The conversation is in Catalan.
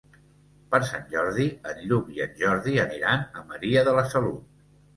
Per Sant Jordi en Lluc i en Jordi aniran a Maria de la Salut.